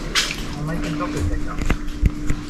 Er meint den Doppeldecker.